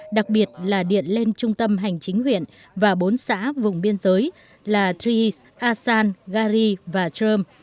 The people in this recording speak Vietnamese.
đặc biệt là điện lên trung tâm hành chính huyện và bốn xã vùng biên giới là triis asan gari và trơm